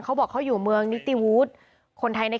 เขาอยู่เมืองนิตติวุฤติ